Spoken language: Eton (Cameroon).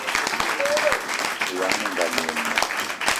O ayag' nengan ayi ma